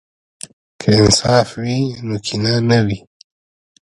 که انصاف وي، نو کینه نه وي.